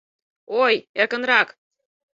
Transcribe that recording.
Ой-й, эркынрак!